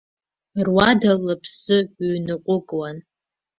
Руада лыԥсы ҩнаҟәыкуан.